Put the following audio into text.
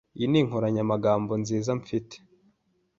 Iyi ni inkoranyamagambo nziza mfite.